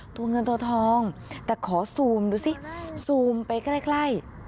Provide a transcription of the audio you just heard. ตัวเงินตัวทองแต่ขอซูมดูสิซูมไปใกล้